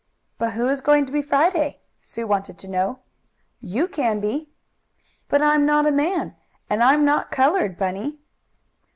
"But who is going to be Friday?" Sue wanted to know. "You can be." "But I'm not a man, and I'm not colored, Bunny."